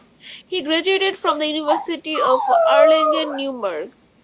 He graduated from the University of Erlangen–Nuremberg.